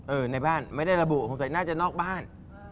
ในบ้านไม่ได้ระบุสงสัยน่าจะนอกบ้าน